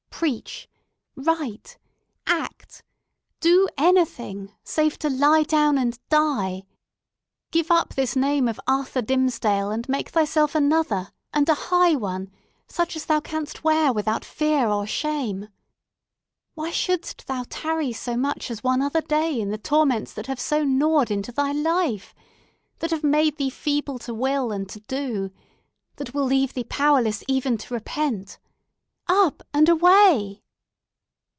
Preach! Write! Act! Do anything, save to lie down and die! Give up this name of Arthur Dimmesdale, and make thyself another, and a high one, such as thou canst wear without fear or shame. Why shouldst thou tarry so much as one other day in the torments that have so gnawed into thy life? that have made thee feeble to will and to do? that will leave thee powerless even to repent? Up, and away!"